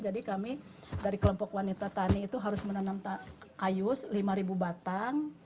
jadi kami dari kelompok wanita tani itu harus menanam kayu lima ribu batang